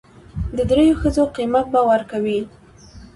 د درېو ښځو قيمت به ور کوي.